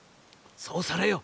そうされよ。